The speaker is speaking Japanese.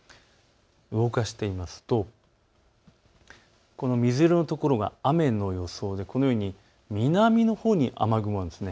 動かしてみますとこの水色の所が雨の予想でこのように南のほうに雨雲があるんです。